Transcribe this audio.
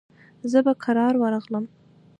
زه به کرار ورغلم.